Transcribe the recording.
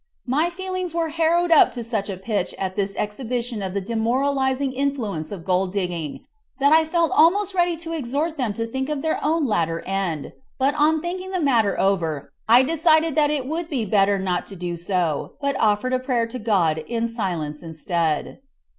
My feelings were harrowed up to such a pitch at this exhibition of the demoralizing influence of gold digging, that I felt almost ready to exhort them to think of their own latter end; but on thinking the matter over I decided that it would be better not to do so, but offered a prayer to God in silence instead.